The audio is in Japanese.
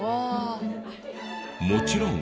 もちろん。